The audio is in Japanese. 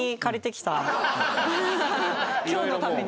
今日のために。